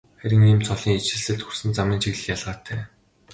Харин ийм цолын ижилсэлд хүрсэн замын чиглэл ялгаатай.